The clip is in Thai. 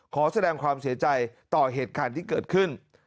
ขอแสดงความเสียใจต่อเหตุการณ์ที่เกิดขึ้น